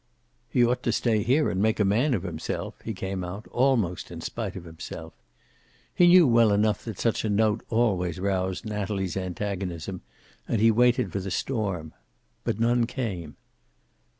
"He ought to stay here, and make a man of himself," he came out, almost in spite of himself. He knew well enough that such a note always roused Natalie's antagonism, and he waited for the storm. But none came.